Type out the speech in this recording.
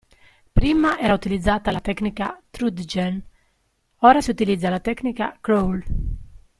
Prima era utilizzata la tecnica trudgen ora si utilizza la tecnica crawl.